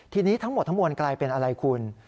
ทีนี้ทั้งหมดทั้งมวลกลายเป็นอะไรคุณ